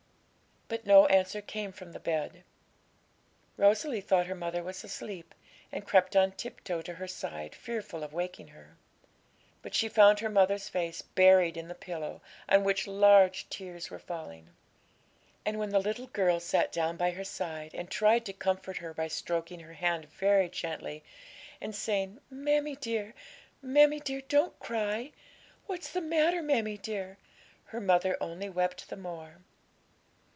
But no answer came from the bed. Rosalie thought her mother was asleep, and crept on tiptoe to her side, fearful of waking her. But she found her mother's face buried in the pillow, on which large tears were falling. And when the little girl sat down by her side, and tried to comfort her by stroking her hand very gently, and saying, 'Mammie dear, mammie dear, don't cry! What's the matter, mammie dear?' her mother only wept the more.